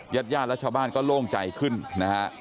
ญาติญาติและชาวบ้านก็โล่งใจขึ้นนะฮะ